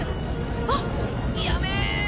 あっ⁉やめっ！